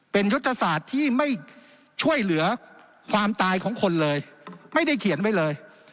เป็นยุทธศาสตร์ที่ไม่ช่วยเหลือความตายของคนเลยไม่ได้เขียนไว้เลย